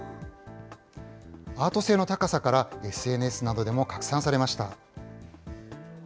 アート性の高さからＳＮＳなどでも拡散されました。